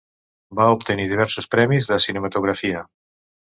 Va obtenir diversos premis de cinematografia.